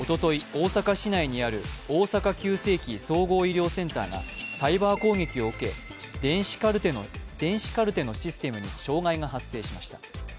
大阪市内にある大阪急性期・総合医療センターがサイバー攻撃を受け、電子カルテのシステムに障害が発生しました。